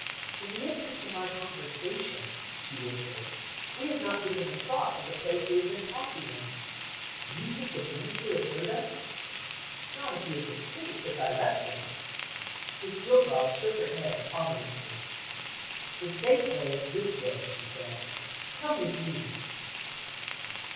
"In the interest of our conversation," she whispered, "we have not given a thought to the place we have been talking in. Do you think the Minister has heard us?" "Not if he is asleep as I left him." Miss Jillgall shook her head ominously. "The safe way is this way," she said. "Come with me."